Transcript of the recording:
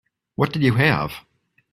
What did you have?